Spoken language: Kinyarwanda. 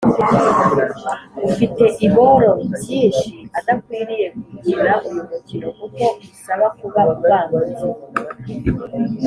ufite iboro byinshi adakwiriye gukina uyu mukino kuko usaba kuba ubangutse.